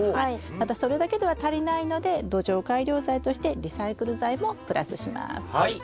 またそれだけでは足りないので土壌改良材としてリサイクル材もプラスします。